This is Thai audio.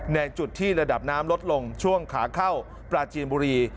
ในจุดที่ระดับน้ำลดลงช่วงขาเข้าปราจีนบุรี